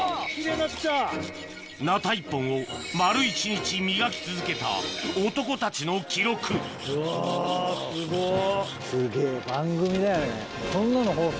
鉈１本を丸一日磨き続けた男たちの記録うわすごっ。